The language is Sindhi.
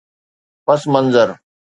پس منظر